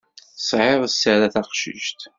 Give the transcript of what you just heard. Tesɛiḍ sser a taqcict.